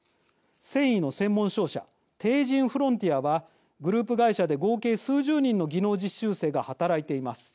繊維の専門商社帝人フロンティアはグループ会社で合計数十人の技能実習生が働いています。